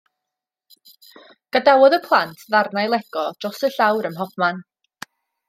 Gadawodd y plant ddarnau Lego dros y llawr ym mhob man.